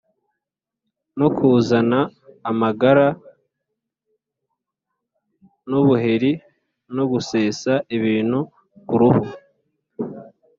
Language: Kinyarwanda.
no kuzana amagara n’ubuheri no gusesa ibintu ku ruhu,